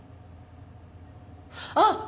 あっ！